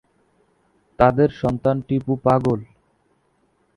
তাদের সন্তান টিপু পাগল।